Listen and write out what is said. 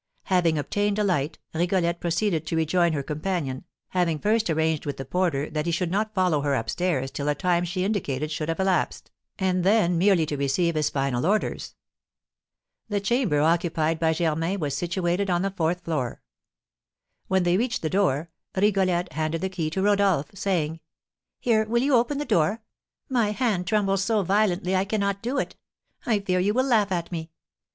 Having obtained a light, Rigolette proceeded to rejoin her companion, having first arranged with the porter that he should not follow her up stairs till a time she indicated should have elapsed, and then merely to receive his final orders. The chamber occupied by Germain was situated on the fourth floor. When they reached the door, Rigolette handed the key to Rodolph, saying: "Here, will you open the door? My hand trembles so violently, I cannot do it. I fear you will laugh at me.